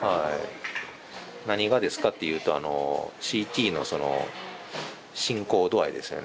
何がですかっていうとＣＴのその進行度合いですよね。